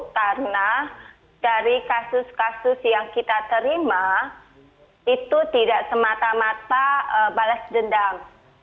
karena dari kasus kasus yang kita terima itu tidak semata mata balas dendam